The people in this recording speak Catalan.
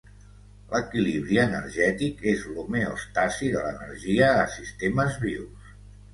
L'equilibri energètic és l'homeòstasi de l'energia a sistemes vius.